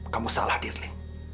kamu salah dirli